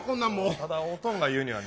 ただおとんが言うにはね。